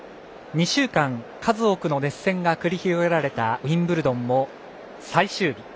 ２週間、数多くの熱戦が繰り広げられたウィンブルドンも最終日。